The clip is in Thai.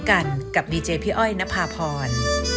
กันกับดีเจพี่อ้อยนภาพร